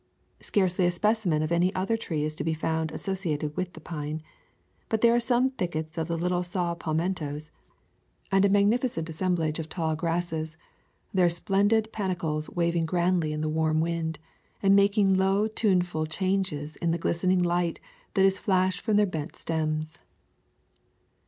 Scarcely a specimen of any other tree is to be found as sociated with the pine. But there are some thickets of the little saw palmettos and a mag [ ror ] A Thousand Mile W alk nificent assemblage of tall grasses, their splen did panicles waving grandly in the warm wind, and making low tuneful changes in the glis tening light that is flashed from their bent stems.